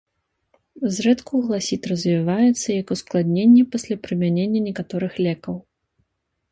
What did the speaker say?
Зрэдку гласіт развіваецца як ускладненне пасля прымянення некаторых лекаў.